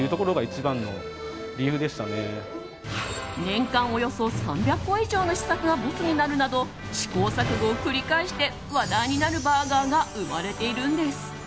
年間およそ３００個以上の試作が没になるなど試行錯誤を繰り返して話題になるバーガーが生まれているんです。